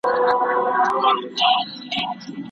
د حساسيتونو د رامنځته کيدو مخنيوی څنګه کيږي؟